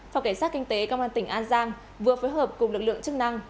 phòng cảnh sát kinh tế công an tỉnh an giang vừa phối hợp cùng lực lượng chức năng